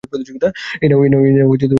এই নাও, নববর্ষের উপহার!